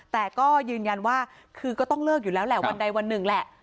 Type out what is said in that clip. แต่ก็ยืนยันว่าคือก็ต้องเลิกอยู่แล้วแหละวันใดวันหนึ่งแหละ